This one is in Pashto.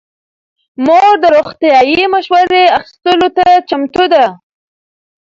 مور د روغتیايي مشورې اخیستلو ته چمتو ده.